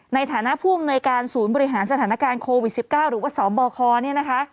ในฐานะผู้อำนวยการศูนย์บริหารสถานการณ์โควิด๑๙หรือว่าสบคเนี่ยนะคะ